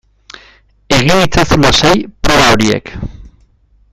Egin itzazu lasai proba horiek